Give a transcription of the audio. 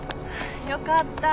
よかった。